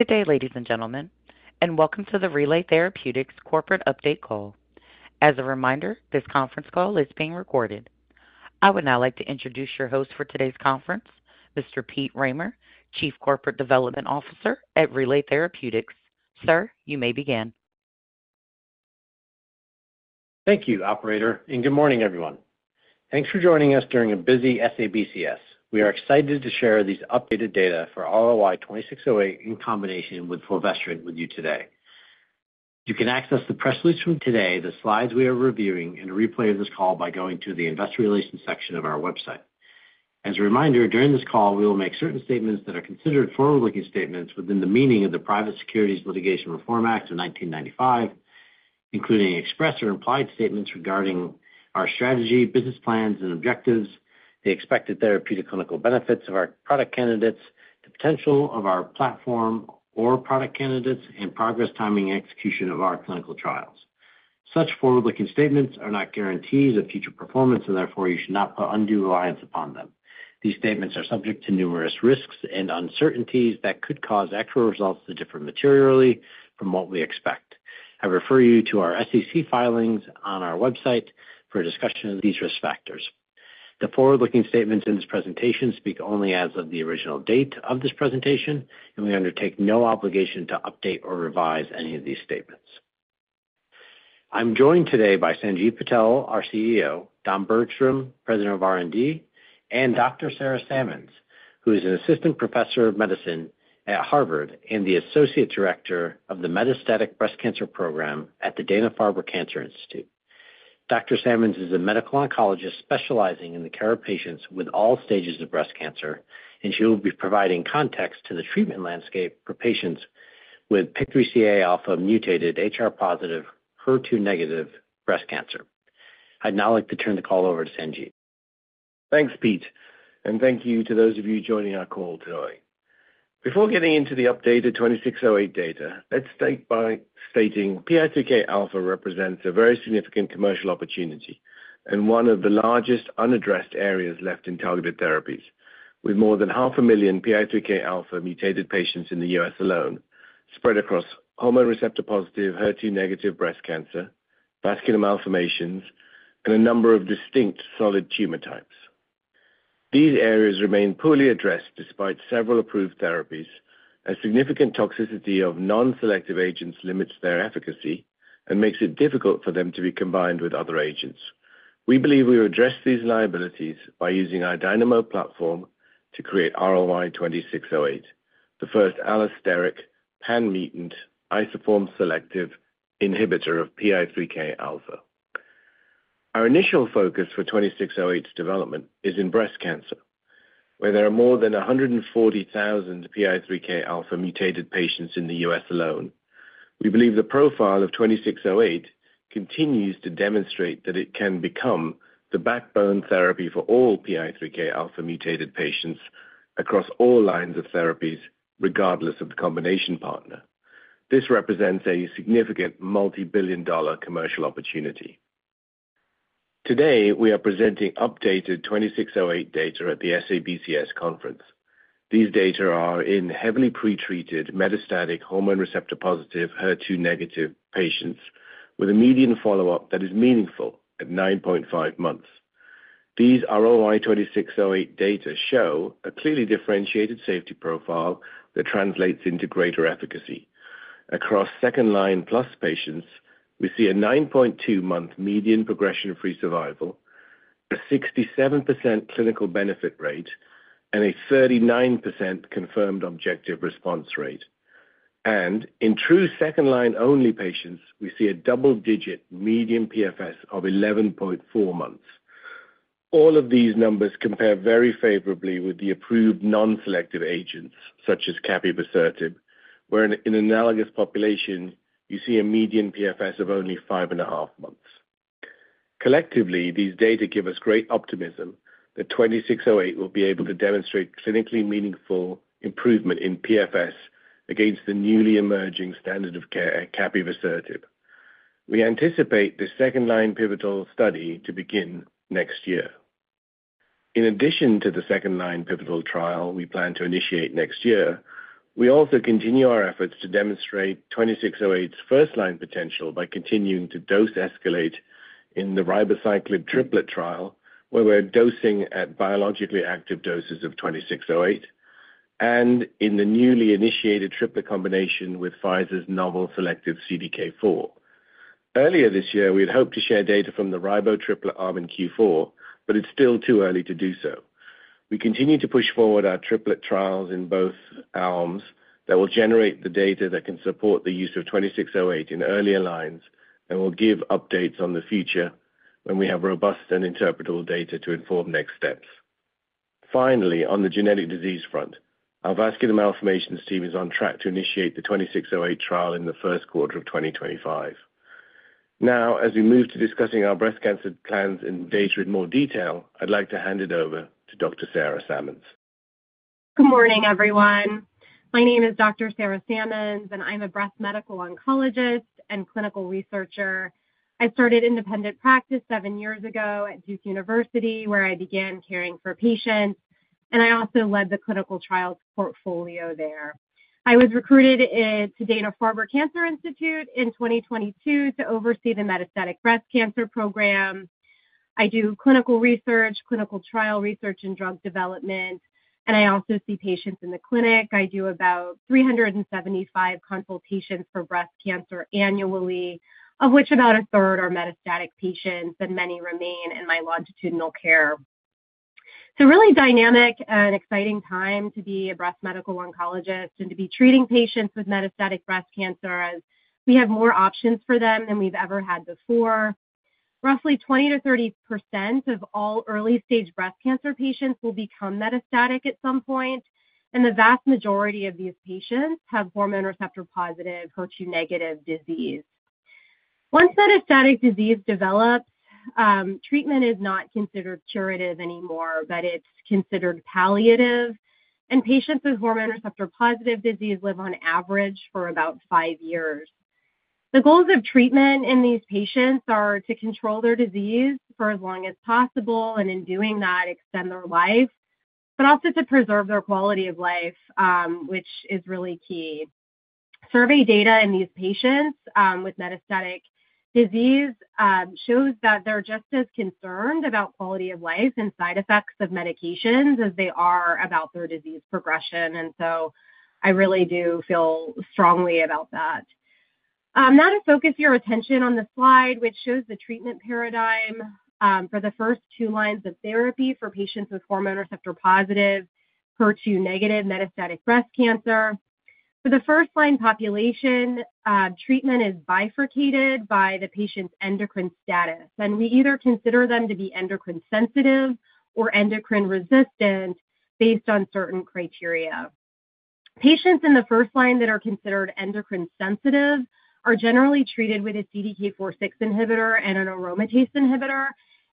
Good day, ladies and gentlemen, and welcome to the Relay Therapeutics Corporate Update Call. As a reminder, this conference call is being recorded. I would now like to introduce your host for today's conference, Mr. Pete Rahmer, Chief Corporate Development Officer at Relay Therapeutics. Sir, you may begin. Thank you, Operator, and good morning, everyone. Thanks for joining us during a busy SABCS. We are excited to share these updated data for RLY-2608 in combination with fulvestrant with you today. You can access the press release from today, the slides we are reviewing, and a replay of this call by going to the investor relations section of our website. As a reminder, during this call, we will make certain statements that are considered forward-looking statements within the meaning of the Private Securities Litigation Reform Act of 1995, including express or implied statements regarding our strategy, business plans, and objectives, the expected therapeutic clinical benefits of our product candidates, the potential of our platform or product candidates, and progress timing and execution of our clinical trials. Such forward-looking statements are not guarantees of future performance, and therefore you should not put undue reliance upon them. These statements are subject to numerous risks and uncertainties that could cause actual results to differ materially from what we expect. I refer you to our SEC filings on our website for a discussion of these risk factors. The forward-looking statements in this presentation speak only as of the original date of this presentation, and we undertake no obligation to update or revise any of these statements. I'm joined today by Sanjiv Patel, our CEO, Don Bergstrom, President of R&D, and Dr. Sarah Sammons, who is an Assistant Professor of Medicine at Harvard and the Associate Director of the Metastatic Breast Cancer Program at the Dana-Farber Cancer Institute. Dr. Sammons is a medical oncologist specializing in the care of patients with all stages of breast cancer, and she will be providing context to the treatment landscape for patients with PIK3CA alpha mutated HR positive, HER2 negative breast cancer. I'd now like to turn the call over to Sanjiv. Thanks, Pete, and thank you to those of you joining our call today. Before getting into the updated RLY-2608 data, let's start by stating PI3K alpha represents a very significant commercial opportunity and one of the largest unaddressed areas left in targeted therapies, with more than 500,000 PI3K alpha mutated patients in the U.S. alone spread across hormone receptor positive, HER2 negative breast cancer, vascular malformations, and a number of distinct solid tumor types. These areas remain poorly addressed despite several approved therapies, as significant toxicity of non-selective agents limits their efficacy and makes it difficult for them to be combined with other agents. We believe we will address these liabilities by using our Dynamo platform to create RLY-2608, the first allosteric pan-mutant isoform selective inhibitor of PI3K alpha. Our initial focus for 2608's development is in breast cancer, where there are more than 140,000 PI3K alpha mutated patients in the U.S. alone. We believe the profile of 2608 continues to demonstrate that it can become the backbone therapy for all PI3K alpha mutated patients across all lines of therapies, regardless of the combination partner. This represents a significant multi-billion dollar commercial opportunity. Today, we are presenting updated 2608 data at the SABCS conference. These data are in heavily pretreated metastatic hormone receptor-positive, HER2-negative patients with a median follow-up that is meaningful at 9.5 months. These RLY-2608 data show a clearly differentiated safety profile that translates into greater efficacy. Across second line plus patients, we see a 9.2 month median progression-free survival, a 67% clinical benefit rate, and a 39% confirmed objective response rate. In true second-line-only patients, we see a double-digit median PFS of 11.4 months. All of these numbers compare very favorably with the approved non-selective agents, such as capivasertib, where in an analogous population, you see a median PFS of only five and a half months. Collectively, these data give us great optimism that 2608 will be able to demonstrate clinically meaningful improvement in PFS against the newly emerging standard of care capivasertib. We anticipate the second-line pivotal study to begin next year. In addition to the second-line pivotal trial we plan to initiate next year, we also continue our efforts to demonstrate 2608's first-line potential by continuing to dose escalate in the ribociclib triplet trial, where we're dosing at biologically active doses of 2608 and in the newly initiated triplet combination with Pfizer's novel selective CDK4. Earlier this year, we had hoped to share data from the ribocilib arm in Q4, but it's still too early to do so. We continue to push forward our triplet trials in both arms that will generate the data that can support the use of 2608 in earlier lines and will give updates in the future when we have robust and interpretable data to inform next steps. Finally, on the genetic disease front, our vascular malformations team is on track to initiate the 2608 trial in the first quarter of 2025. Now, as we move to discussing our breast cancer plans and data in more detail, I'd like to hand it over to Dr. Sarah Sammons. Good morning, everyone. My name is Dr. Sarah Sammons, and I'm a breast medical oncologist and clinical researcher. I started independent practice seven years ago at Duke University, where I began caring for patients, and I also led the clinical trials portfolio there. I was recruited to Dana-Farber Cancer Institute in 2022 to oversee the metastatic breast cancer program. I do clinical research, clinical trial research, and drug development, and I also see patients in the clinic. I do about 375 consultations for breast cancer annually, of which about a third are metastatic patients, and many remain in my longitudinal care. It's a really dynamic and exciting time to be a breast medical oncologist and to be treating patients with metastatic breast cancer, as we have more options for them than we've ever had before. Roughly 20%-30% of all early stage breast cancer patients will become metastatic at some point, and the vast majority of these patients have hormone receptor positive, HER2 negative disease. Once metastatic disease develops, treatment is not considered curative anymore, but it's considered palliative, and patients with hormone receptor positive disease live on average for about five years. The goals of treatment in these patients are to control their disease for as long as possible and, in doing that, extend their life, but also to preserve their quality of life, which is really key. Survey data in these patients with metastatic disease shows that they're just as concerned about quality of life and side effects of medications as they are about their disease progression, and so I really do feel strongly about that. I'm now going to focus your attention on the slide, which shows the treatment paradigm for the first two lines of therapy for patients with hormone receptor-positive, HER2-negative metastatic breast cancer. For the first line population, treatment is bifurcated by the patient's endocrine status, and we either consider them to be endocrine sensitive or endocrine resistant based on certain criteria. Patients in the first line that are considered endocrine sensitive are generally treated with a CDK4/6 inhibitor and an aromatase inhibitor,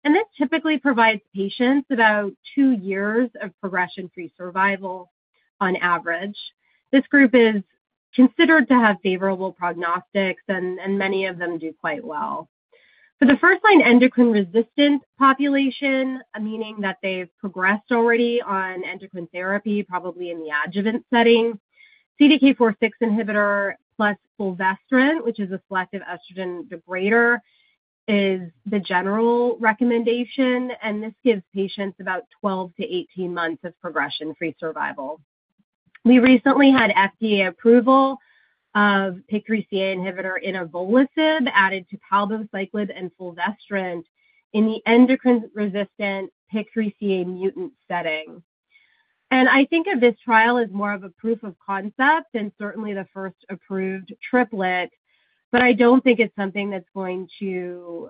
and this typically provides patients about two years of progression-free survival on average. This group is considered to have favorable prognosis, and many of them do quite well. For the first line endocrine resistant population, meaning that they've progressed already on endocrine therapy, probably in the adjuvant setting, CDK4/6 inhibitor plus fulvestrant, which is a selective estrogen degrader, is the general recommendation, and this gives patients about 12 to 18 months of progression-free survival. We recently had FDA approval of PIK3CA inhibitor inavolisib added to palbociclib and fulvestrant in the endocrine resistant PIK3CA mutant setting. And I think of this trial as more of a proof of concept than certainly the first approved triplet, but I don't think it's something that's going to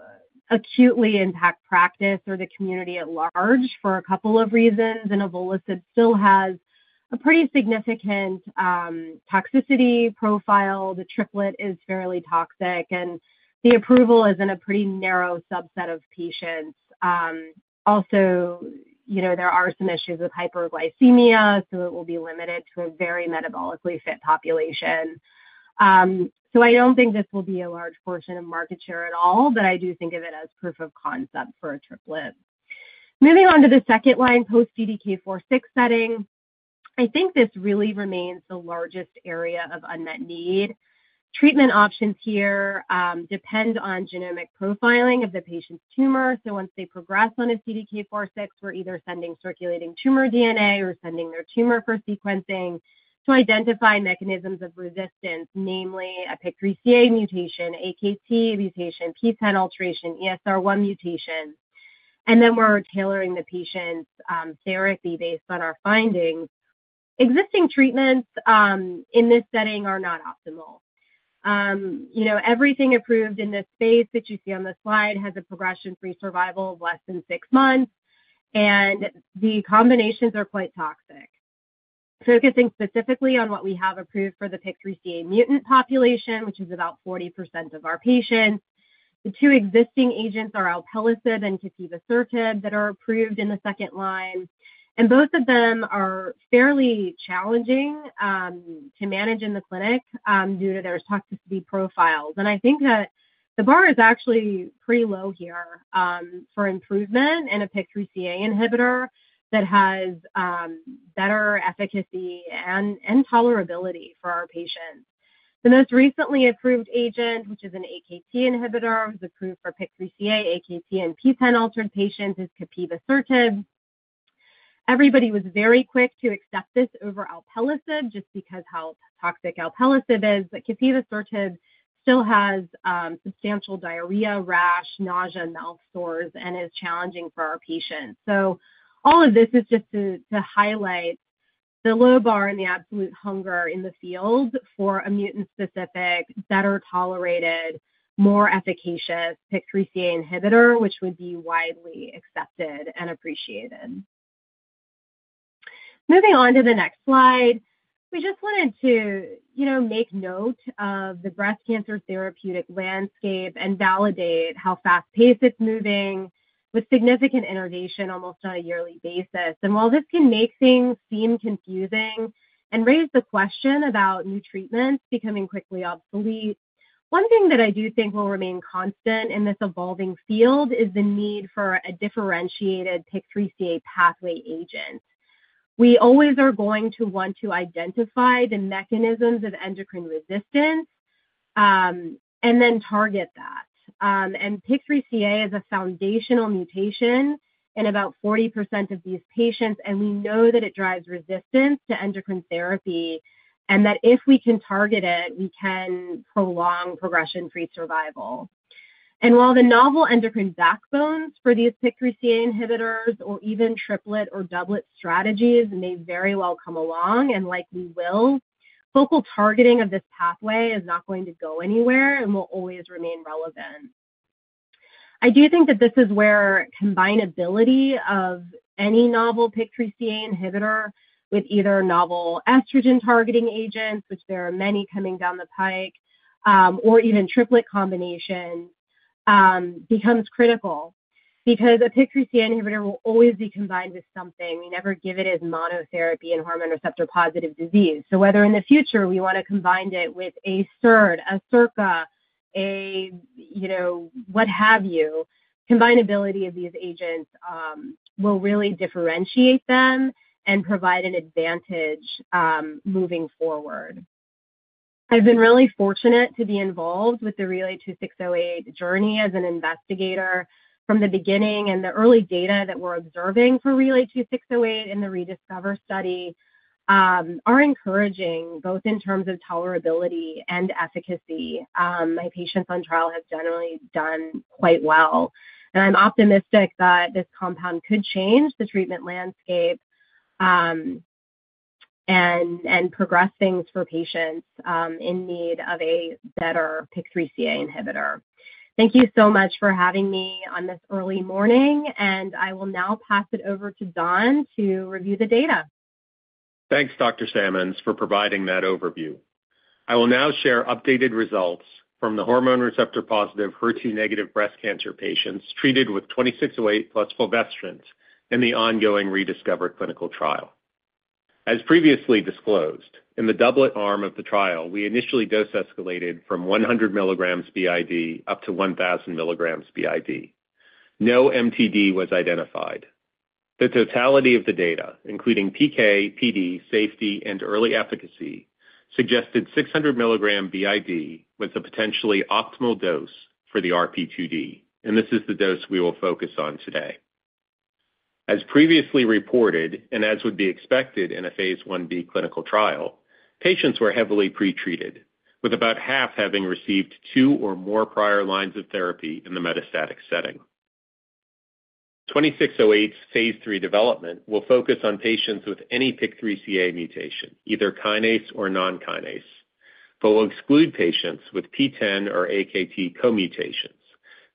acutely impact practice or the community at large for a couple of reasons. Inavolisib still has a pretty significant toxicity profile. The triplet is fairly toxic, and the approval is in a pretty narrow subset of patients. Also, there are some issues with hyperglycemia, so it will be limited to a very metabolically fit population. So I don't think this will be a large portion of market share at all, but I do think of it as proof of concept for a triplet. Moving on to the second line post-CDK4/6 setting, I think this really remains the largest area of unmet need. Treatment options here depend on genomic profiling of the patient's tumor, so once they progress on a CDK4/6, we're either sending circulating tumor DNA or sending their tumor for sequencing to identify mechanisms of resistance, namely a PIK3CA mutation, AKT mutation, PTEN alteration, ESR1 mutation, and then we're tailoring the patient's therapy based on our findings. Existing treatments in this setting are not optimal. Everything approved in this space that you see on the slide has a progression-free survival of less than six months, and the combinations are quite toxic. Focusing specifically on what we have approved for the PIK3CA mutant population, which is about 40% of our patients, the two existing agents are alpelisib and capivasertib that are approved in the second line, and both of them are fairly challenging to manage in the clinic due to their toxicity profiles. I think that the bar is actually pretty low here for improvement in a PIK3CA inhibitor that has better efficacy and tolerability for our patients. The most recently approved agent, which is an AKT inhibitor, was approved for PIK3CA, AKT, and PTEN altered patients is capivasertib. Everybody was very quick to accept this over alpelisib just because of how toxic alpelisib is, but capivasertib still has substantial diarrhea, rash, nausea, and mouth sores, and is challenging for our patients. So all of this is just to highlight the low bar and the absolute hunger in the field for a mutant-specific, better tolerated, more efficacious PIK3CA inhibitor, which would be widely accepted and appreciated. Moving on to the next slide, we just wanted to make note of the breast cancer therapeutic landscape and validate how fast-paced it's moving with significant innovation almost on a yearly basis. And while this can make things seem confusing and raise the question about new treatments becoming quickly obsolete, one thing that I do think will remain constant in this evolving field is the need for a differentiated PIK3CA pathway agent. We always are going to want to identify the mechanisms of endocrine resistance and then target that. And PIK3CA is a foundational mutation in about 40% of these patients, and we know that it drives resistance to endocrine therapy and that if we can target it, we can prolong progression-free survival. And while the novel endocrine backbones for these PIK3CA inhibitors or even triplet or doublet strategies may very well come along, and likely will, focal targeting of this pathway is not going to go anywhere and will always remain relevant. I do think that this is where combinability of any novel PIK3CA inhibitor with either novel estrogen targeting agents, which there are many coming down the pike, or even triplet combinations becomes critical because a PIK3CA inhibitor will always be combined with something. We never give it as monotherapy in hormone receptor positive disease. So whether in the future we want to combine it with AKT, a SERD, a what have you, combinability of these agents will really differentiate them and provide an advantage moving forward. I've been really fortunate to be involved with the RLY-2608 journey as an investigator from the beginning, and the early data that we're observing for RLY-2608 in the ReDiscover study are encouraging both in terms of tolerability and efficacy. My patients on trial have generally done quite well, and I'm optimistic that this compound could change the treatment landscape and progress things for patients in need of a better PIK3CA inhibitor. Thank you so much for having me on this early morning, and I will now pass it over to Don to review the data. Thanks, Dr. Sammons, for providing that overview. I will now share updated results from the hormone receptor-positive, HER2-negative breast cancer patients treated with 2608 plus fulvestrant in the ongoing Rediscover clinical trial. As previously disclosed, in the doublet arm of the trial, we initially dose escalated from 100 mg b.i.d. up to 1,000 mg b.i.d. No MTD was identified. The totality of the data, including PK, PD, safety, and early efficacy, suggested 600 mg b.i.d. was a potentially optimal dose for the RP2D, and this is the dose we will focus on today. As previously reported, and as would be expected in a phase 1B clinical trial, patients were heavily pretreated, with about half having received two or more prior lines of therapy in the metastatic setting. 2608's phase 3 development will focus on patients with any PIK3CA mutation, either kinase or non-kinase, but will exclude patients with PTEN or AKT co-mutations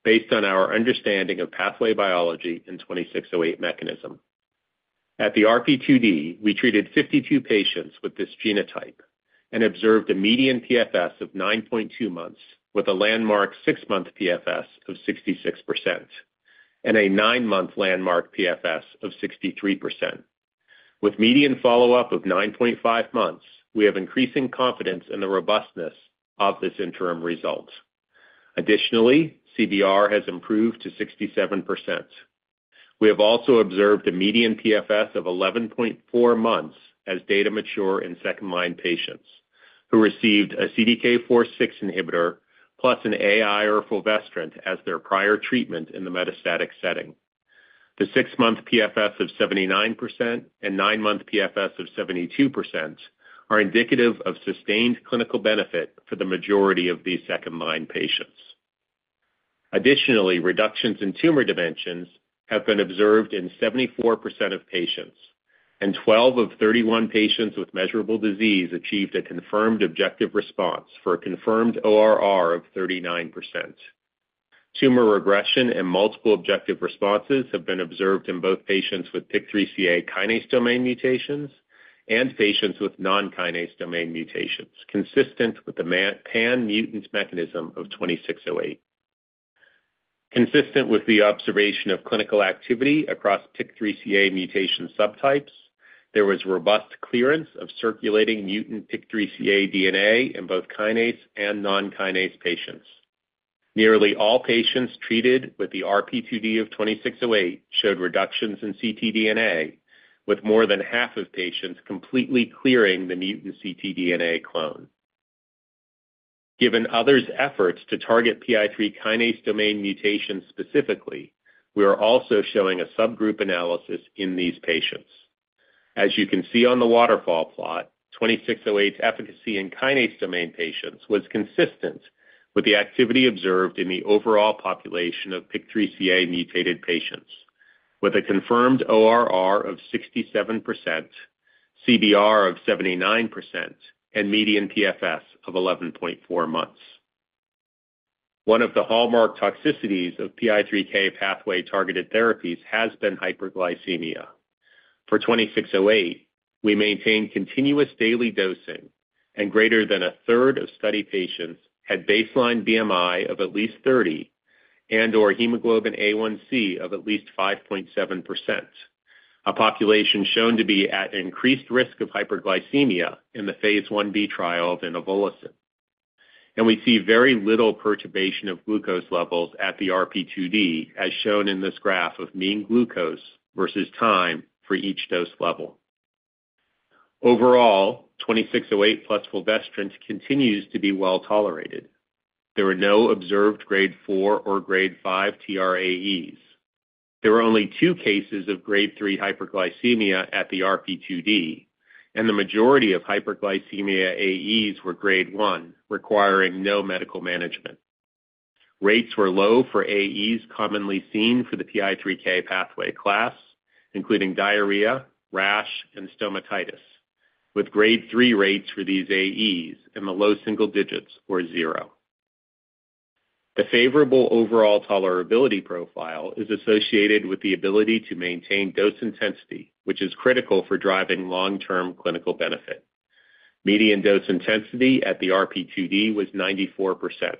based on our understanding of pathway biology and 2608 mechanism. At the RP2D, we treated 52 patients with this genotype and observed a median PFS of 9.2 months with a landmark 6-month PFS of 66% and a 9-month landmark PFS of 63%. With median follow-up of 9.5 months, we have increasing confidence in the robustness of this interim result. Additionally, CBR has improved to 67%. We have also observed a median PFS of 11.4 months as data mature in second-line patients who received a CDK4/6 inhibitor plus an AI or fulvestrant as their prior treatment in the metastatic setting. The 6-month PFS of 79% and 9-month PFS of 72% are indicative of sustained clinical benefit for the majority of these second-line patients. Additionally, reductions in tumor dimensions have been observed in 74% of patients, and 12 of 31 patients with measurable disease achieved a confirmed objective response for a confirmed ORR of 39%. Tumor regression and multiple objective responses have been observed in both patients with PIK3CA kinase domain mutations and patients with non-kinase domain mutations, consistent with the pan-mutant mechanism of 2608. Consistent with the observation of clinical activity across PIK3CA mutation subtypes, there was robust clearance of circulating mutant PIK3CA DNA in both kinase and non-kinase patients. Nearly all patients treated with the RP2D of 2608 showed reductions in ctDNA, with more than half of patients completely clearing the mutant ctDNA clone. Given others' efforts to target PI3 kinase domain mutations specifically, we are also showing a subgroup analysis in these patients. As you can see on the waterfall plot, 2608's efficacy in kinase domain patients was consistent with the activity observed in the overall population of PIK3CA mutated patients, with a confirmed ORR of 67%, CBR of 79%, and median PFS of 11.4 months. One of the hallmark toxicities of PI3K pathway targeted therapies has been hyperglycemia. For 2608, we maintained continuous daily dosing, and greater than a third of study patients had baseline BMI of at least 30 and/or hemoglobin A1c of at least 5.7%, a population shown to be at increased risk of hyperglycemia in the Phase 1B trial of inavolisib. We see very little perturbation of glucose levels at the RP2D, as shown in this graph of mean glucose versus time for each dose level. Overall, 2608 plus fulvestrant continues to be well tolerated. There were no observed grade 4 or grade 5 TRAEs. There were only two cases of grade 3 hyperglycemia at the RP2D, and the majority of hyperglycemia AEs were grade 1, requiring no medical management. Rates were low for AEs commonly seen for the PI3K pathway class, including diarrhea, rash, and stomatitis, with grade 3 rates for these AEs in the low single digits or zero. The favorable overall tolerability profile is associated with the ability to maintain dose intensity, which is critical for driving long-term clinical benefit. Median dose intensity at the RP2D was 94%.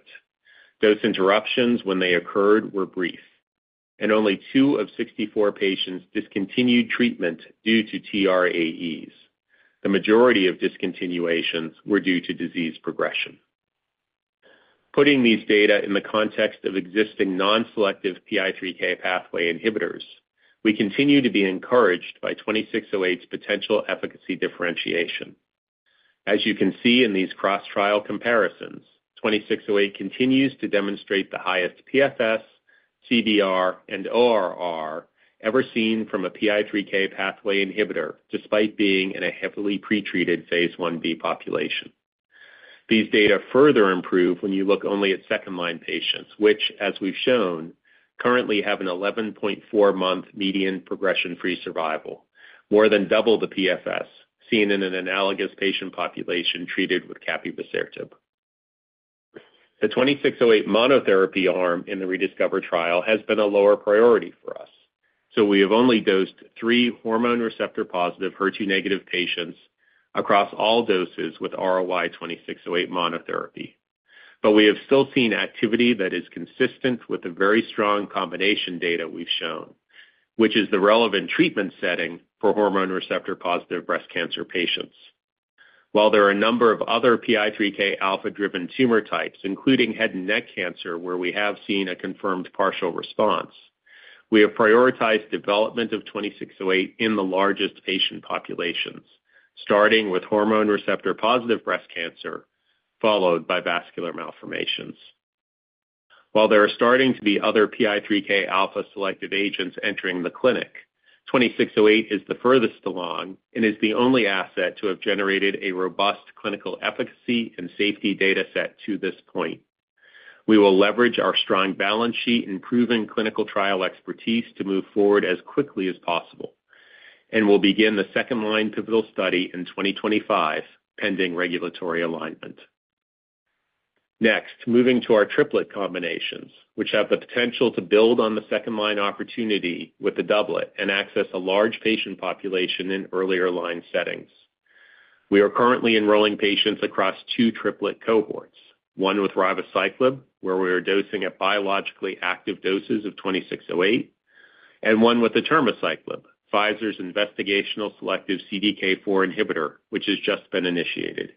Dose interruptions, when they occurred, were brief, and only two of 64 patients discontinued treatment due to TRAEs. The majority of discontinuations were due to disease progression. Putting these data in the context of existing non-selective PI3K pathway inhibitors, we continue to be encouraged by 2608's potential efficacy differentiation. As you can see in these cross-trial comparisons, 2608 continues to demonstrate the highest PFS, CBR, and ORR ever seen from a PI3K pathway inhibitor despite being in a heavily pretreated phase 1B population. These data further improve when you look only at second-line patients, which, as we've shown, currently have an 11.4-month median progression-free survival, more than double the PFS seen in an analogous patient population treated with capivasertib. The 2608 monotherapy arm in the ReDiscover trial has been a lower priority for us, so we have only dosed three hormone receptor-positive, HER2-negative patients across all doses with RLY-2608 monotherapy. But we have still seen activity that is consistent with the very strong combination data we've shown, which is the relevant treatment setting for hormone receptor-positive breast cancer patients. While there are a number of other PI3K alpha-driven tumor types, including head and neck cancer, where we have seen a confirmed partial response, we have prioritized development of 2608 in the largest patient populations, starting with hormone receptor positive breast cancer, followed by vascular malformations. While there are starting to be other PI3K alpha-selective agents entering the clinic, 2608 is the furthest along and is the only asset to have generated a robust clinical efficacy and safety data set to this point. We will leverage our strong balance sheet and proven clinical trial expertise to move forward as quickly as possible and will begin the second-line pivotal study in 2025, pending regulatory alignment. Next, moving to our triplet combinations, which have the potential to build on the second-line opportunity with the doublet and access a large patient population in earlier line settings. We are currently enrolling patients across two triplet cohorts: one with ribociclib, where we are dosing at biologically active doses of 2608, and one with atirmociclib, Pfizer's investigational selective CDK4 inhibitor, which has just been initiated.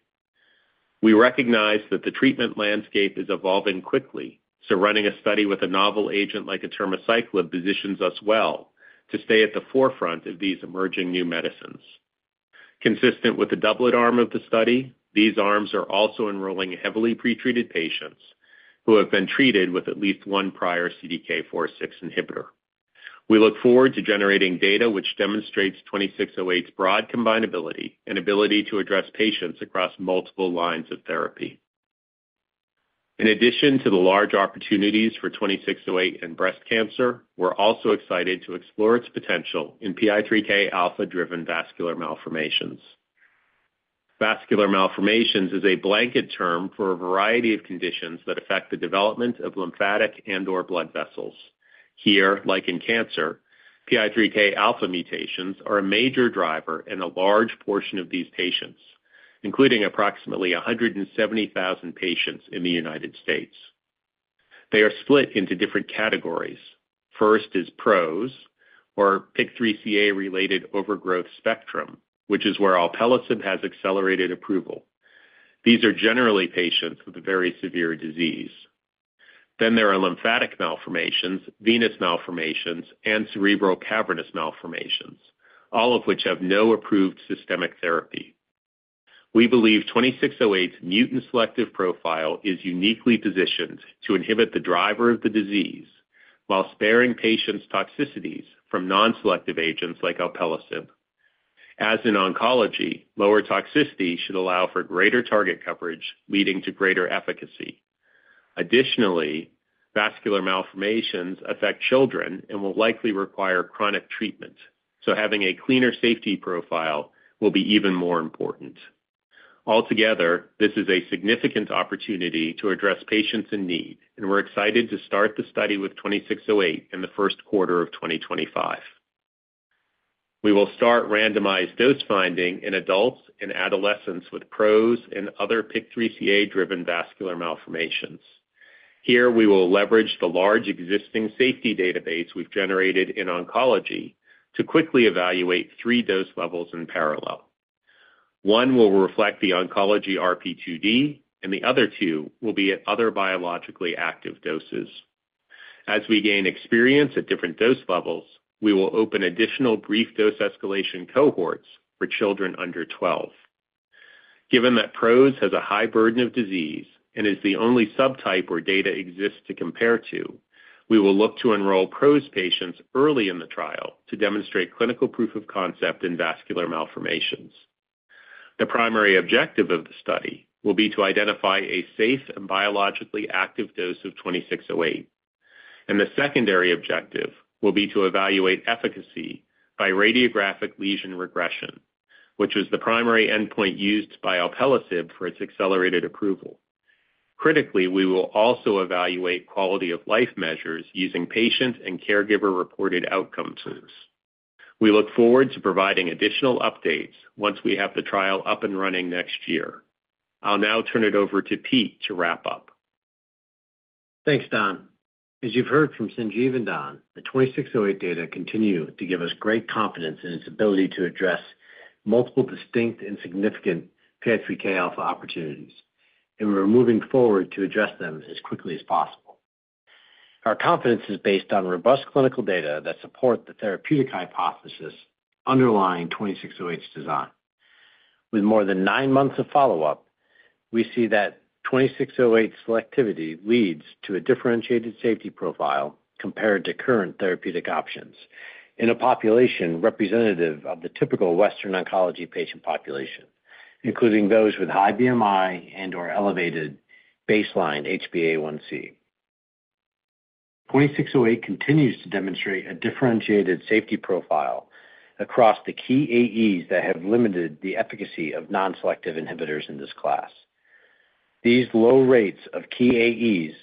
We recognize that the treatment landscape is evolving quickly, so running a study with a novel agent like atirmociclib positions us well to stay at the forefront of these emerging new medicines. Consistent with the doublet arm of the study, these arms are also enrolling heavily pretreated patients who have been treated with at least one prior CDK4/6 inhibitor. We look forward to generating data which demonstrates 2608's broad combinability and ability to address patients across multiple lines of therapy. In addition to the large opportunities for 2608 in breast cancer, we're also excited to explore its potential in PI3K alpha-driven vascular malformations. Vascular malformations is a blanket term for a variety of conditions that affect the development of lymphatic and/or blood vessels. Here, like in cancer, PI3K alpha mutations are a major driver in a large portion of these patients, including approximately 170,000 patients in the United States. They are split into different categories. First is PROS, or PIK3CA-related overgrowth spectrum, which is where alpelisib has accelerated approval. These are generally patients with a very severe disease. Then there are lymphatic malformations, venous malformations, and cerebral cavernous malformations, all of which have no approved systemic therapy. We believe 2608's mutant selective profile is uniquely positioned to inhibit the driver of the disease while sparing patients' toxicities from non-selective agents like alpelisib. As in oncology, lower toxicity should allow for greater target coverage, leading to greater efficacy. Additionally, vascular malformations affect children and will likely require chronic treatment, so having a cleaner safety profile will be even more important. Altogether, this is a significant opportunity to address patients in need, and we're excited to start the study with 2608 in the first quarter of 2025. We will start randomized dose finding in adults and adolescents with PROS and other PIK3CA-driven vascular malformations. Here, we will leverage the large existing safety database we've generated in oncology to quickly evaluate three dose levels in parallel. One will reflect the oncology RP2D, and the other two will be at other biologically active doses. As we gain experience at different dose levels, we will open additional brief dose escalation cohorts for children under 12. Given that PROS has a high burden of disease and is the only subtype where data exists to compare to, we will look to enroll PROS patients early in the trial to demonstrate clinical proof of concept in vascular malformations. The primary objective of the study will be to identify a safe and biologically active dose of 2608, and the secondary objective will be to evaluate efficacy by radiographic lesion regression, which was the primary endpoint used by alpelisib for its accelerated approval. Critically, we will also evaluate quality of life measures using patient and caregiver-reported outcomes. We look forward to providing additional updates once we have the trial up and running next year. I'll now turn it over to Pete to wrap up. Thanks, Don. As you've heard from Sanjiv and Don, the 2608 data continue to give us great confidence in its ability to address multiple distinct and significant PI3K alpha opportunities, and we're moving forward to address them as quickly as possible. Our confidence is based on robust clinical data that support the therapeutic hypothesis underlying 2608's design. With more than nine months of follow-up, we see that 2608's selectivity leads to a differentiated safety profile compared to current therapeutic options in a population representative of the typical Western oncology patient population, including those with high BMI and/or elevated baseline HbA1c. 2608 continues to demonstrate a differentiated safety profile across the key AEs that have limited the efficacy of non-selective inhibitors in this class. These low rates of key AEs,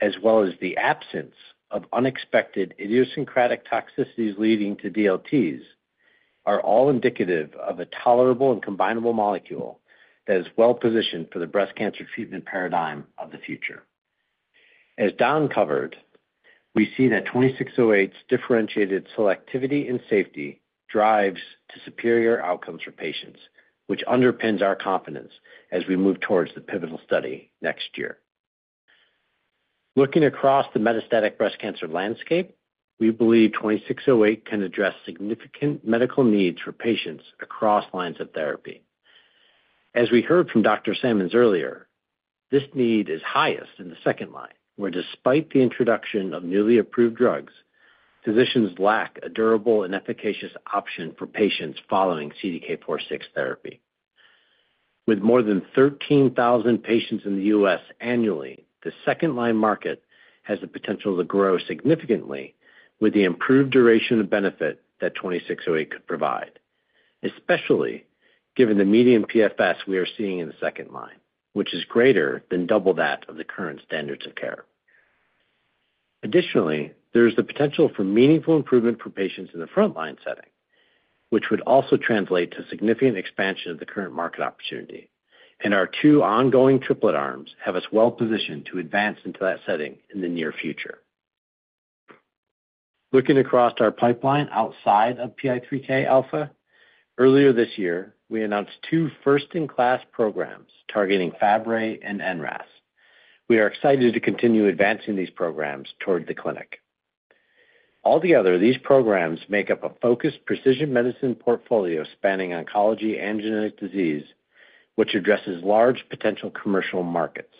as well as the absence of unexpected idiosyncratic toxicities leading to DLTs, are all indicative of a tolerable and combinable molecule that is well positioned for the breast cancer treatment paradigm of the future. As Don covered, we see that 2608's differentiated selectivity and safety drives to superior outcomes for patients, which underpins our confidence as we move towards the pivotal study next year. Looking across the metastatic breast cancer landscape, we believe 2608 can address significant medical needs for patients across lines of therapy. As we heard from Dr. Sammons earlier, this need is highest in the second line, where, despite the introduction of newly approved drugs, physicians lack a durable and efficacious option for patients following CDK4/6 therapy. With more than 13,000 patients in the U.S. annually, the second-line market has the potential to grow significantly with the improved duration of benefit that 2608 could provide, especially given the median PFS we are seeing in the second line, which is greater than double that of the current standards of care. Additionally, there is the potential for meaningful improvement for patients in the front-line setting, which would also translate to significant expansion of the current market opportunity, and our two ongoing triplet arms have us well positioned to advance into that setting in the near future. Looking across our pipeline outside of PI3K alpha, earlier this year, we announced two first-in-class programs targeting Fabry and NRAS. We are excited to continue advancing these programs toward the clinic. Altogether, these programs make up a focused precision medicine portfolio spanning oncology and genetic disease, which addresses large potential commercial markets.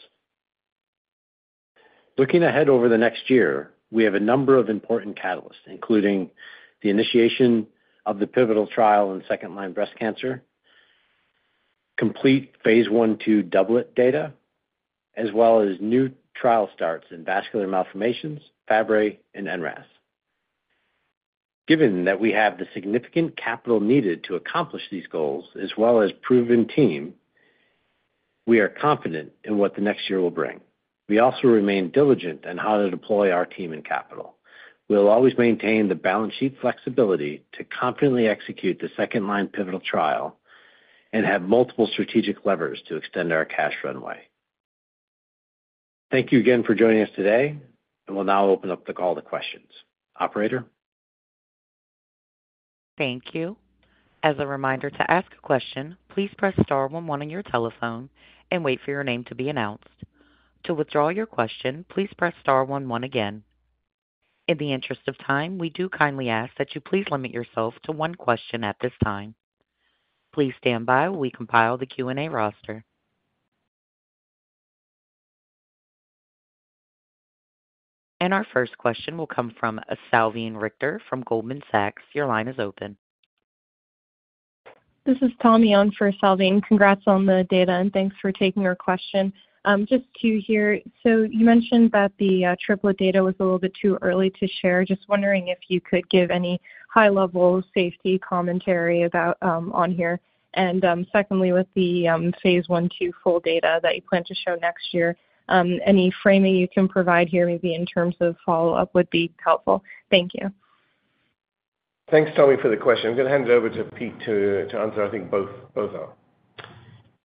Looking ahead over the next year, we have a number of important catalysts, including the initiation of the pivotal trial in second-line breast cancer, complete phase 1-2 doublet data, as well as new trial starts in vascular malformations, Fabry, and NRAS. Given that we have the significant capital needed to accomplish these goals, as well as proven team, we are confident in what the next year will bring. We also remain diligent in how to deploy our team and capital. We'll always maintain the balance sheet flexibility to confidently execute the second-line pivotal trial and have multiple strategic levers to extend our cash runway. Thank you again for joining us today, and we'll now open up the call to questions. Operator? Thank you. As a reminder to ask a question, please press star one one on your telephone and wait for your name to be announced. To withdraw your question, please press star one one again. In the interest of time, we do kindly ask that you please limit yourself to one question at this time. Please stand by while we compile the Q&A roster. And our first question will come from Salveen Richter from Goldman Sachs. Your line is open. This is Tommy Young for Salveen. Congrats on the data, and thanks for taking our question. Just to hear, so you mentioned that the triplet data was a little bit too early to share. Just wondering if you could give any high-level safety commentary on here. And secondly, with the Phase I-II full data that you plan to show next year, any framing you can provide here, maybe in terms of follow-up, would be helpful. Thank you. Thanks, Tommy, for the question. I'm going to hand it over to Pete to answer. I think both are.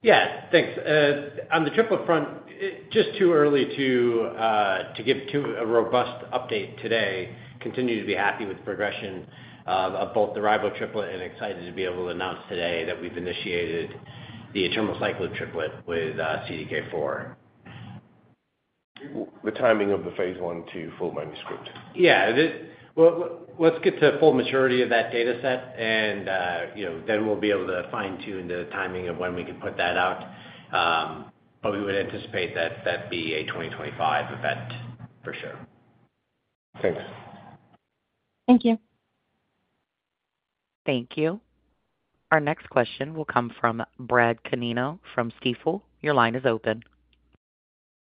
Yeah, thanks. On the triplet front, just too early to give too robust update today. Continue to be happy with the progression of both the ribociclib triplet and excited to be able to announce today that we've initiated the atirmociclib triplet with CDK4. The timing of the Phase I-II full manuscript. Yeah. Well, let's get to full maturity of that data set, and then we'll be able to fine-tune the timing of when we can put that out. But we would anticipate that that'd be a 2025 event for sure. Thanks. Thank you. Thank you. Our next question will come from Brad Canino from Stifel. Your line is open.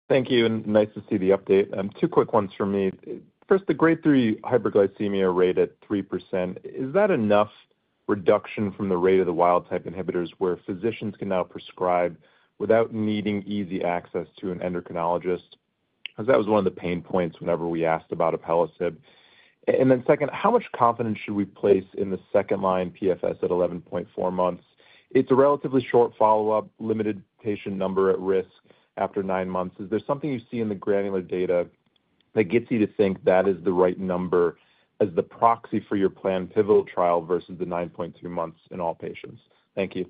Thank you, and nice to see the update. Two quick ones from me. First, the grade 3 hyperglycemia rate at 3%, is that enough reduction from the rate of the wild-type inhibitors where physicians can now prescribe without needing easy access to an endocrinologist? Because that was one of the pain points whenever we asked about alpelisib. And then second, how much confidence should we place in the second-line PFS at 11.4 months? It's a relatively short follow-up, limited patient number at risk after nine months. Is there something you see in the granular data that gets you to think that is the right number as the proxy for your planned pivotal trial versus the 9.2 months in all patients? Thank you.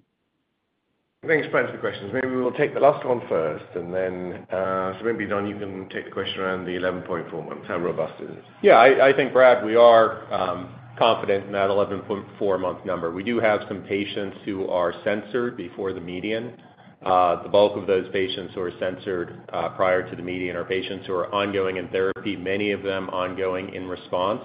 Thanks for answering the questions. Maybe we'll take the last one first, and then so maybe, Don, you can take the question around the 11.4 months. How robust is it? Yeah, I think, Brad, we are confident in that 11.4-month number. We do have some patients who are censored before the median. The bulk of those patients who are censored prior to the median are patients who are ongoing in therapy, many of them ongoing in response.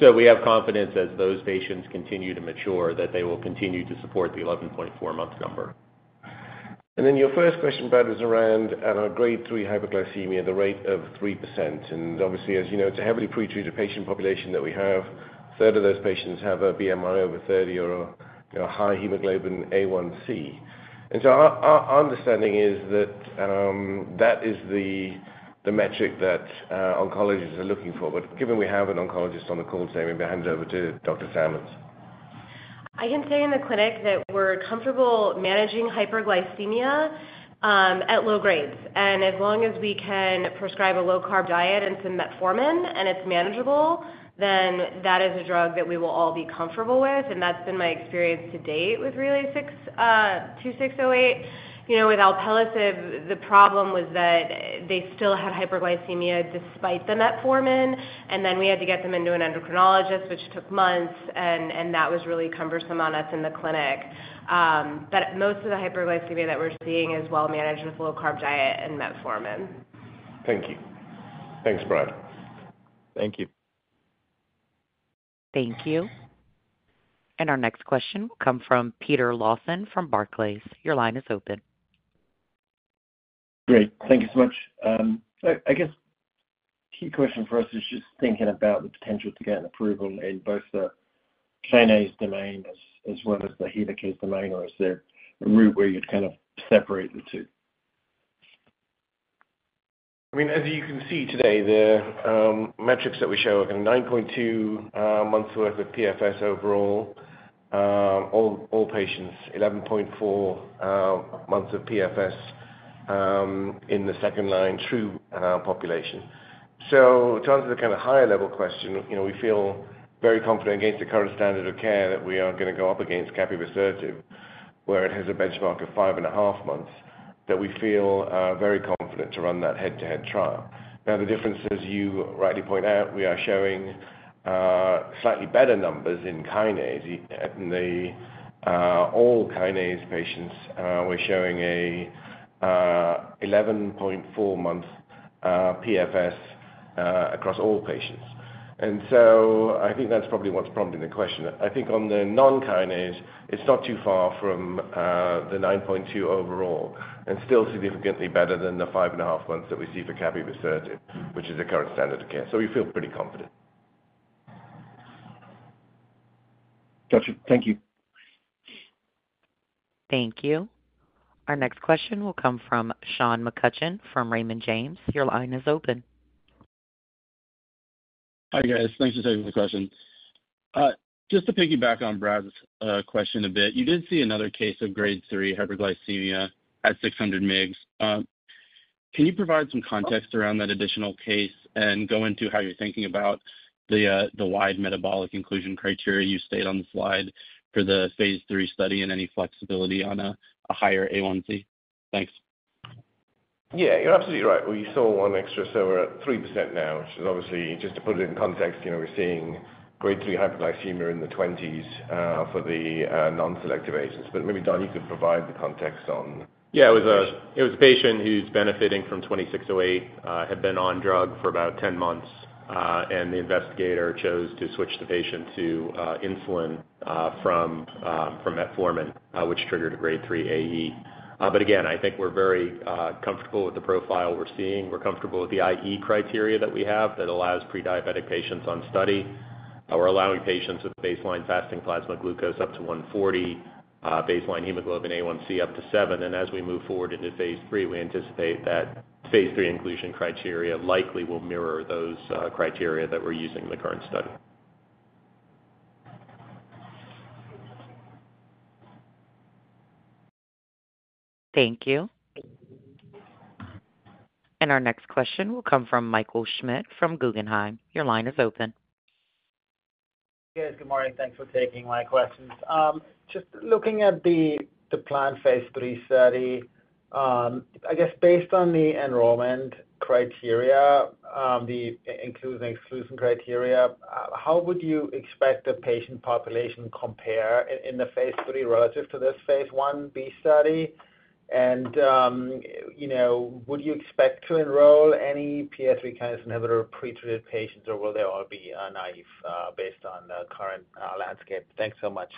So we have confidence, as those patients continue to mature, that they will continue to support the 11.4-month number. And then your first question, Brad, was around grade 3 hyperglycemia, the rate of 3%. And obviously, as you know, it's a heavily pretreated patient population that we have. A third of those patients have a BMI over 30 or a high hemoglobin A1c. And so our understanding is that that is the metric that oncologists are looking for. But given we have an oncologist on the call today, maybe I'll hand it over to Dr. Sammons. I can say in the clinic that we're comfortable managing hyperglycemia at low grades. And as long as we can prescribe a low-carb diet and some metformin and it's manageable, then that is a drug that we will all be comfortable with. And that's been my experience to date with RLY-2608. With alpelisib, the problem was that they still had hyperglycemia despite the metformin, and then we had to get them into an endocrinologist, which took months, and that was really cumbersome on us in the clinic. But most of the hyperglycemia that we're seeing is well managed with a low-carb diet and metformin. Thank you. Thanks, Brad. Thank you. Thank you. And our next question will come from Peter Lawson from Barclays. Your line is open. Great. Thank you so much. I guess the key question for us is just thinking about the potential to get an approval in both the kinase domain as well as the helical domain, or is there a route where you'd kind of separate the two? I mean, as you can see today, the metrics that we show are kind of 9.2 months' worth of PFS overall, all patients, 11.4 months of PFS in the second-line true population. So to answer the kind of higher-level question, we feel very confident against the current standard of care that we are going to go up against capivasertib, where it has a benchmark of five and a half months, that we feel very confident to run that head-to-head trial. Now, the difference, as you rightly point out, we are showing slightly better numbers in kinase. In the all kinase patients, we're showing an 11.4-month PFS across all patients. And so I think that's probably what's prompting the question. I think on the non-kinase, it's not too far from the 9.2 overall and still significantly better than the five and a half months that we see for capivasertib, which is the current standard of care. So we feel pretty confident. Gotcha. Thank you. Thank you. Our next question will come from Sean McCutcheon from Raymond James. Your line is open. Hi, guys. Thanks for taking the question. Just to piggyback on Brad's question a bit, you did see another case of grade 3 hyperglycemia at 600 mg. Can you provide some context around that additional case and go into how you're thinking about the wide metabolic inclusion criteria you state on the slide for the Phase III study and any flexibility on a higher A1C? Thanks. Yeah, you're absolutely right. You saw one extra, so we're at 3% now, which is obviously just to put it in context. We're seeing grade 3 hyperglycemia in the 20s% for the non-selective agents. But maybe Don, you could provide the context on. Yeah, it was a patient who's benefiting from 2608, had been on drug for about 10 months, and the investigator chose to switch the patient to insulin from metformin, which triggered a grade 3 AE. But again, I think we're very comfortable with the profile we're seeing. We're comfortable with the IE criteria that we have that allows prediabetic patients on study. We're allowing patients with baseline fasting plasma glucose up to 140, baseline hemoglobin A1c up to seven. And as we move forward into Phase III, we anticipate that phase 3 inclusion criteria likely will mirror those criteria that we're using in the current study. Thank you. And our next question will come from Michael Schmidt from Guggenheim. Your line is open. Hey, guys. Good morning. Thanks for taking my questions. Just looking at the planned phase 3 study, I guess based on the enrollment criteria, the inclusion and exclusion criteria, how would you expect the patient population compare in the Phase III relative to this Phase 1B study? And would you expect to enroll any PI3K inhibitor pretreated patients, or will they all be naive based on the current landscape? Thanks so much.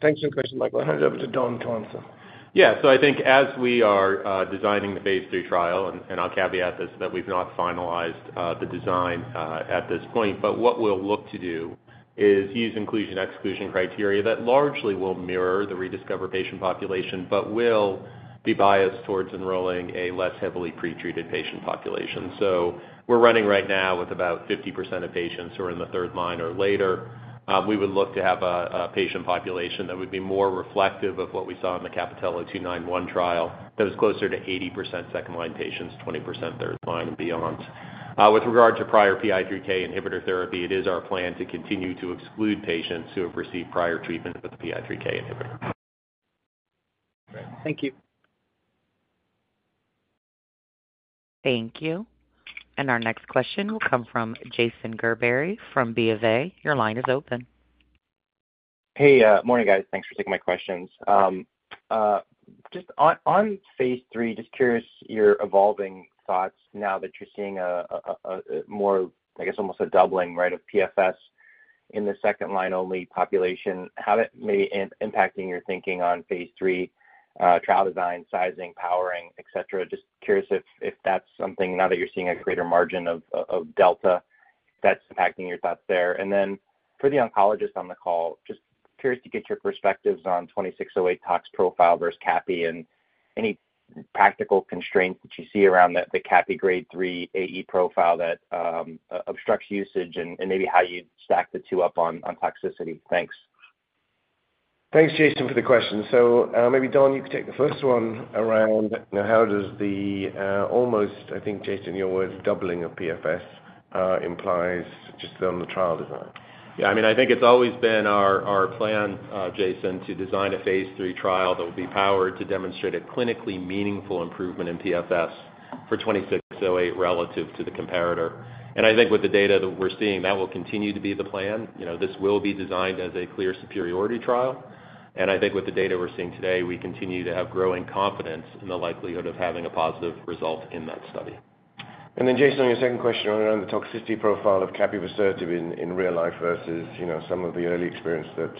Thanks for the question, Michael. I'll hand it over to Don to answer. Yeah, so I think as we are designing the phase 3 trial, and I'll caveat this that we've not finalized the design at this point. But what we'll look to do is use inclusion and exclusion criteria that largely will mirror the Rediscover patient population but will be biased towards enrolling a less heavily pretreated patient population. So we're running right now with about 50% of patients who are in the third line or later. We would look to have a patient population that would be more reflective of what we saw in the CAPItello-291 trial, that was closer to 80% second-line patients, 20% third line and beyond. With regard to prior PI3K inhibitor therapy, it is our plan to continue to exclude patients who have received prior treatment with the PI3K inhibitor. Thank you. Thank you. And our next question will come from Jason Gerbery from Wolfe Research. Your line is open. Hey, morning, guys. Thanks for taking my questions. Just on Phase III, just curious your evolving thoughts now that you're seeing a more, I guess, almost a doubling, right, of PFS in the second-line-only population. How that may be impacting your thinking on phase 3 trial design, sizing, powering, etc.? Just curious if that's something, now that you're seeing a greater margin of delta, that's impacting your thoughts there. And then for the oncologist on the call, just curious to get your perspectives on 2608 tox profile versus CAPI and any practical constraints that you see around the CAPI grade 3 AE profile that obstructs usage and maybe how you'd stack the two up on toxicity? Thanks. Thanks, Jason, for the question. So maybe, Don, you could take the first one around how does the almost, I think, Jason, your words, doubling of PFS implies just on the trial design. Yeah, I mean, I think it's always been our plan, Jason, to design a phase 3 trial that will be powered to demonstrate a clinically meaningful improvement in PFS for 2608 relative to the comparator. And I think with the data that we're seeing, that will continue to be the plan. This will be designed as a clear superiority trial. And I think with the data we're seeing today, we continue to have growing confidence in the likelihood of having a positive result in that study. And then, Jason, your second question around the toxicity profile of capivasertib in real life versus some of the early experience that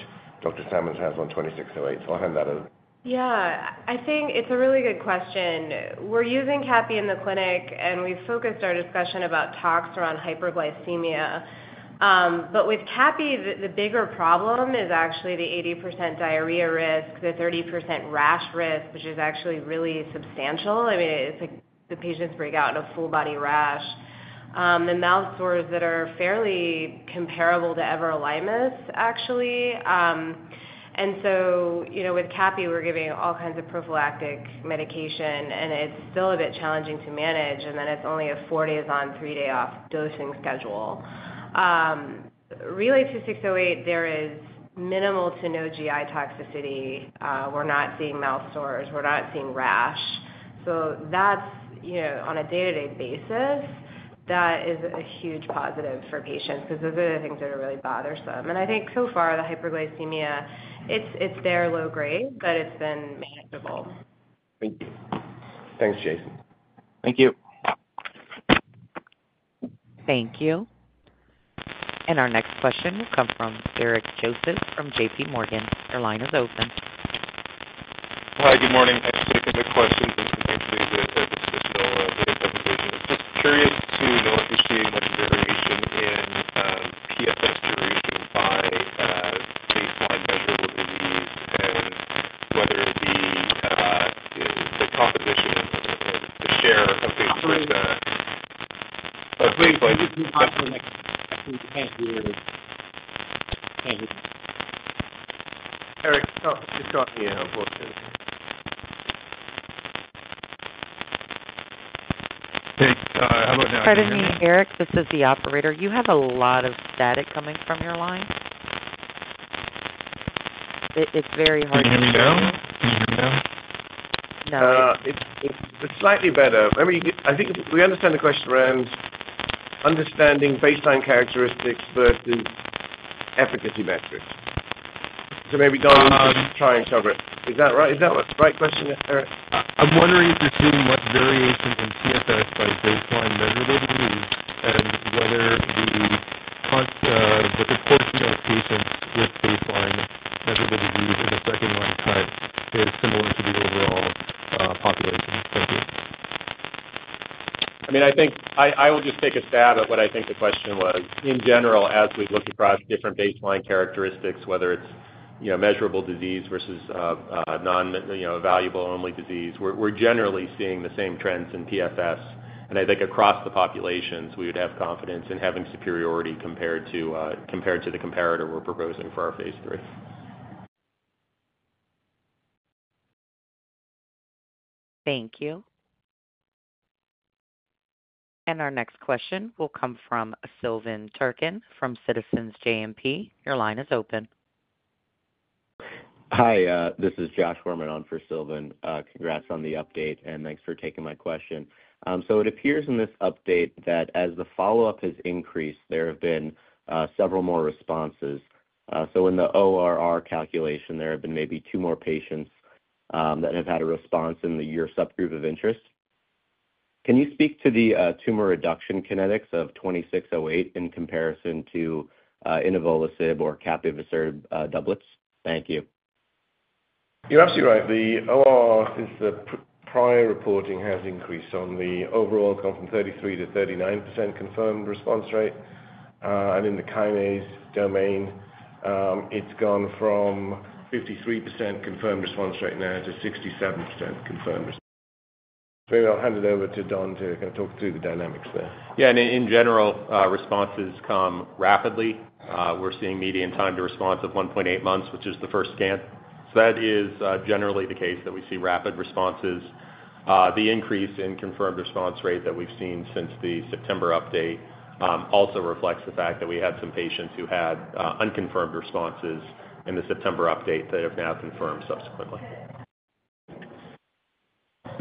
Dr. Sammons has on 2608. So I'll hand that over. Yeah. I think it's a really good question. We're using CAPI in the clinic, and we've focused our discussion about tox around hyperglycemia. But with capivasertib, the bigger problem is actually the 80% diarrhea risk, the 30% rash risk, which is actually really substantial. I mean, the patients break out in a full-body rash. The mouth sores that are fairly comparable to everolimus, actually. And so with capivasertib, we're giving all kinds of prophylactic medication, and it's still a bit challenging to manage. And then it's only a four-days-on, three-day-off dosing schedule. RLY-2608, there is minimal to no GI toxicity. We're not seeing mouth sores. We're not seeing rash. So on a day-to-day basis, that is a huge positive for patients because those are the things that are really bothersome. And I think so far, the hyperglycemia, it's their low grade, but it's been manageable. Thank you. Thanks, Jason. Thank you. Thank you. And our next question will come from Eric Joseph from J.P. Morgan. Your line is open. Hi, good morning. Actually, I have a question from the analysis of measureble diseases. Just curious to know if you're seeing much variation in PFS duration by baseline measure that we use, and whether the composition and the share of patients with the. Eric, just got me a voice-over. Hey, how about now? Pardon me, Eric. This is the operator. You have a lot of static coming from your line. It's very hard to hear. Can you hear me now? Can you hear me now? No. It's slightly better. I mean, I think we understand the question around understanding baseline characteristics versus efficacy metrics. So maybe, Don, you can try and cover it. Is that right? Is that the right question, Eric? I'm wondering if you're seeing much variation in PFS by baseline measurable disease and whether the proportion of patients with baseline measurable disease in the second-line type is similar to the overall population. Thank you. I mean, I will just take a stab at what I think the question was. In general, as we look across different baseline characteristics, whether it's measurable disease versus non-measurable-only disease, we're generally seeing the same trends in PFS, and I think across the populations, we would have confidence in having superiority compared to the comparator we're proposing for our Phase III. Thank you, and our next question will come from Silvan Tuerkcan from Citizens JMP. Your line is open. Hi, this is Josh Forman on for Silvan. Congrats on the update, and thanks for taking my question. It appears in this update that as the follow-up has increased, there have been several more responses. In the ORR calculation, there have been maybe two more patients that have had a response in your subgroup of interest. Can you speak to the tumor reduction kinetics of 2608 in comparison to inavolisib or capivasertib doublets? Thank you. You're absolutely right. The ORR since the prior reporting has increased overall, gone from 33% to 39% confirmed response rate. And in the kinase domain, it's gone from 53% confirmed response rate now to 67% confirmed. Maybe I'll hand it over to Don to kind of talk through the dynamics there. Yeah, and in general, responses come rapidly. We're seeing median time to response of 1.8 months, which is the first scan. That is generally the case that we see rapid responses. The increase in confirmed response rate that we've seen since the September update also reflects the fact that we had some patients who had unconfirmed responses in the September update that have now confirmed subsequently.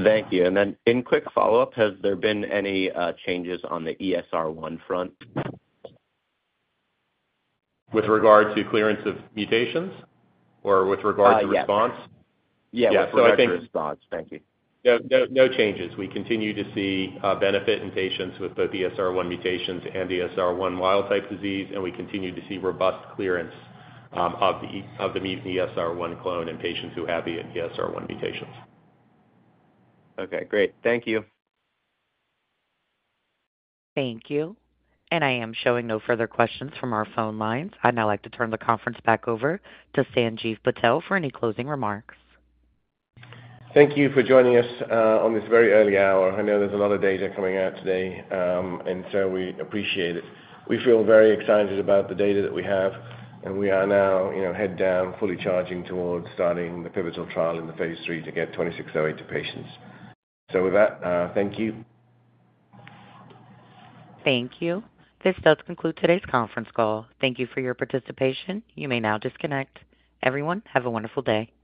Thank you. And then in quick follow-up, has there been any changes on the ESR1 front? With regard to clearance of mutations or with regard to response? Yeah, yeah. Response. Thank you. No changes. We continue to see benefit in patients with both ESR1 mutations and ESR1 wild-type disease, and we continue to see robust clearance of the mutant ESR1 clone in patients who have ESR1 mutations. Okay, great. Thank you. Thank you. And I am showing no further questions from our phone lines. I'd now like to turn the conference back over to Sanjiv Patel for any closing remarks. Thank you for joining us on this very early hour. I know there's a lot of data coming out today, and so we appreciate it. We feel very excited about the data that we have, and we are now head down, fully charging towards starting the pivotal trial in the Phase III to get 2608 to patients. So with that, thank you. Thank you. This does conclude today's conference call. Thank you for your participation. You may now disconnect. Everyone, have a wonderful day.